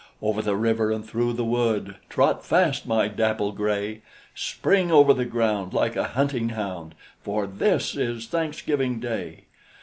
Over the river and through the wood Trot fast, my dapple gray! Spring over the ground, Like a hunting hound! For this is Thanksgiving Day.